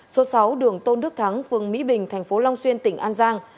số sáu đường tôn đức thắng phường mỹ bình tp long xuyên tỉnh an giang